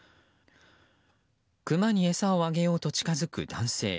クマに餌をあげようと近づく男性。